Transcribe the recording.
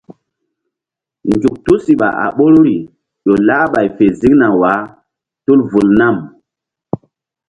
Nzuk tusiɓa a ɓoruri ƴo lah ɓay fe ziŋna wah tul vul nam.